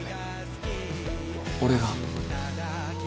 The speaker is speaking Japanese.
俺が？